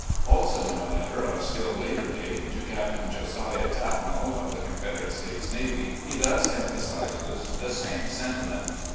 .. Also in a letter of still later date, to Captain Josiah Tatnall, of the Confederate States Navy, he thus em phasises the same sentiment